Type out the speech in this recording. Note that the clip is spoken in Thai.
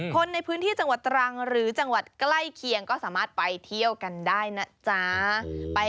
คนในพื้นที่จังหวัดตรังหรือจังหวัดใกล้เคียงก็สามารถไปเที่ยวกันได้นะจ๊ะ